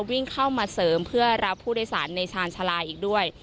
วิ่งเข้ามาเสริมเพื่อรับผู้โดยสารในชาญชาลาอีกด้วย